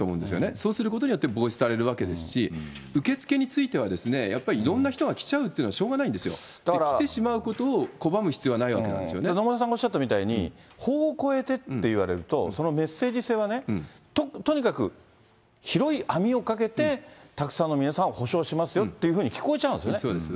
そうすることによって防止されるわけですし、受け付けについてはですね、やっぱりいろんな人が来ちゃうっていうのは、しょうがないんですよ。来てしまうことを拒む必野村さんがおっしゃったみたいに、法を超えてって言われると、そのメッセージ性はね、とにかく広い網をかけて、たくさんの皆さんを補償しますよって聞こえちゃうんですよね。